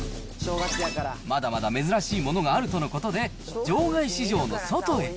まだまだ珍しいものがあるとのことで、場外市場の外へ。